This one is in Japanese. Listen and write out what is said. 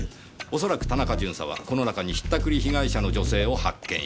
恐らく田中巡査はこの中に引ったくり被害者の女性を発見した。